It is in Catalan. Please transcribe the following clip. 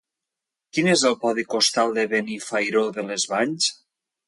Quin és el codi postal de Benifairó de les Valls?